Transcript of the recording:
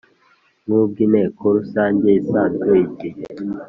Nk ubw inteko rusange isanzwe igihe